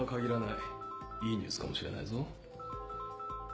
いいニュースかもしれないぞ。